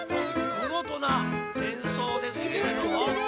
みごとなえんそうですけれども。